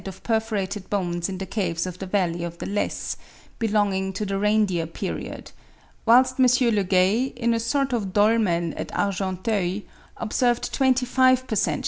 of perforated bones in the caves of the Valley of the Lesse, belonging to the Reindeer period; whilst M. Leguay, in a sort of dolmen at Argenteuil, observed twenty five per cent.